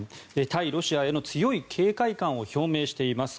対ロシアへの強い警戒感を表明しています。